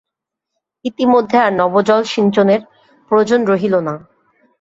ইতিমধ্যে আর নবজলসিঞ্চনের প্রয়োজন রহিল না।